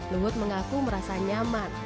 luhut mengaku merasa nyaman